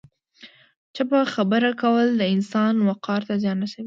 چپه خبره کول د انسان وقار ته زیان رسوي.